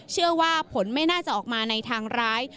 เชื่อว่าผลไม่น่าจะออกมาในทางร้าย